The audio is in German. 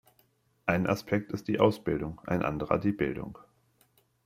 Ein Aspekt ist die Ausbildung, ein anderer die Bildung.